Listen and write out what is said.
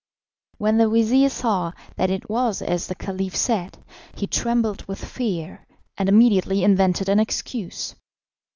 When the vizir saw that it was as the Caliph said, he trembled with fear, and immediately invented an excuse.